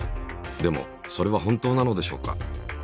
でもそれは本当なのでしょうか。